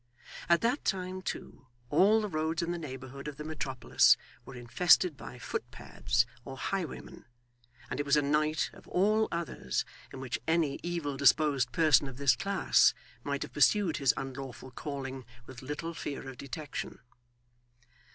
At that time, too, all the roads in the neighbourhood of the metropolis were infested by footpads or highwaymen, and it was a night, of all others, in which any evil disposed person of this class might have pursued his unlawful calling with little fear of detection.